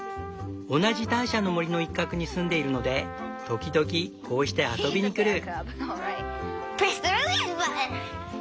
同じターシャの森の一角に住んでいるので時々こうして遊びに来る。